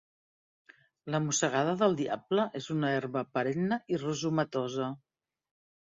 La mossegada del diable és una herba perenne i rizomatosa.